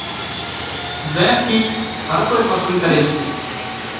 زين ٿي هر ڪوئي پسند ڪري سي